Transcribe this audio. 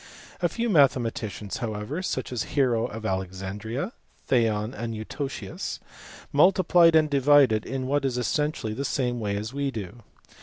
A few mathematicians however such as Hero of Alex andria, Theon, and Eutocius multiplied and divided in what is essentially the same way as we do.